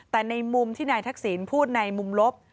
แต่ในมุมที่นายทักษิณพูดในมุมลบ